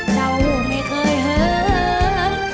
เจ้าหัวไม่เคยเหิด